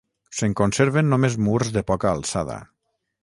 Se'n conserven només murs de poca alçada.